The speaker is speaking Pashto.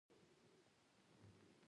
دا د بازار فعالیتونه یې محدوداوه.